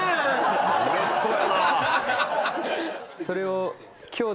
それを。